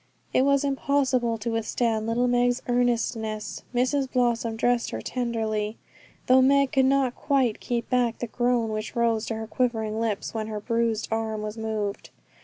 It was impossible to withstand little Meg's earnestness. Mrs Blossom dressed her tenderly, though Meg could not quite keep back the groan which rose to her quivering lips when her bruised arm was moved.